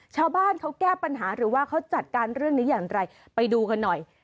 ชาวบ้านเขาแก้ปัญหาหรือว่าเขาจัดการเรื่องนี้อย่างไรไปดูกันหน่อย